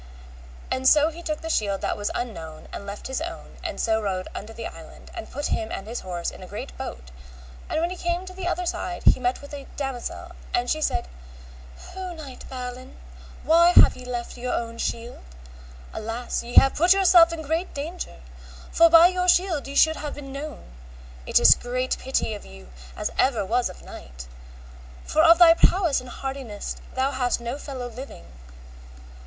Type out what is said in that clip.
And so he took the shield that was unknown and left his own, and so rode unto the island, and put him and his horse in a great boat; and when he came on the other side he met with a damosel, and she said, O knight Balin, why have ye left your own shield? alas ye have put yourself in great danger, for by your shield ye should have been known; it is great pity of you as ever was of knight, for of thy prowess and hardiness thou hast no fellow living.